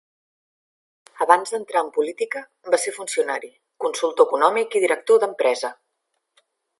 Abans d'entrar en política, va ser funcionari, consultor econòmic i director d'empresa.